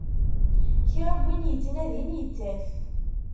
Kra n win yettnadin, yettaf.